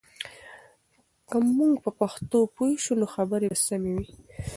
که موږ په پښتو پوه شو، نو خبرې به سمې وي.